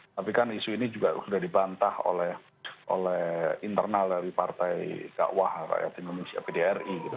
tapi kan isu ini juga sudah dibantah oleh internal dari partai dakwah rakyat indonesia pdri gitu